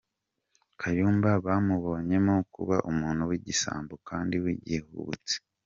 Kayumba bamubonyemo kuba umuntu w’igisambo kandi w’igihubutsi.